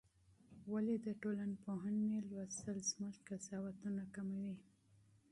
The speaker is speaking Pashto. ولې د ټولنپوهنې مطالعه زموږ قضاوتونه کموي؟